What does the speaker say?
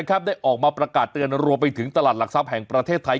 ได้ออกมาประกาศเตือนรวมไปถึงตลาดหลักทรัพย์แห่งประเทศไทย